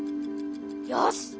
よし！